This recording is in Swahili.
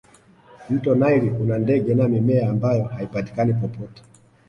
mto naili una ndege na mimea ambayo haipatikani popote